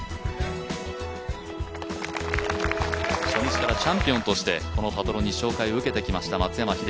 初日からチャンピオンとしてこのパトロンに紹介を受けてきました。